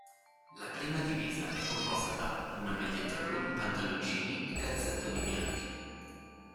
La prima divisa è composta da una maglietta blu, pantaloncini e calzettoni bianchi.